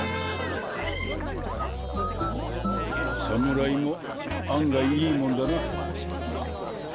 サムライも案外いいもんだな。